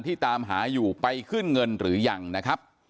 ตามหาอยู่ไปขึ้นเงินหรือยังนะครับ